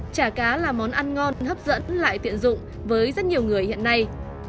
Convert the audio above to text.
chả cá là món ăn ngon hấp dẫn lại tiện dụng với rất nhiều người hiện nay